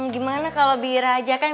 gimana kalau bira aja kan